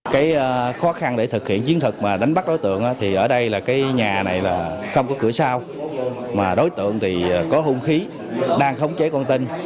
cái khó khăn để thực hiện chiến thuật mà đánh bắt đối tượng thì ở đây là cái nhà này là không có cửa sao mà đối tượng thì có hung khí đang khống chế con tin